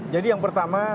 jadi yang pertama